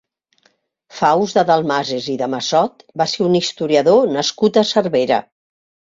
Faust de Dalmases i de Massot va ser un historiador nascut a Cervera.